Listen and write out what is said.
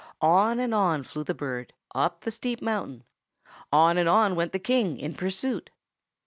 On and on flew the bird, up the steep mountain; on and on went the King in pursuit.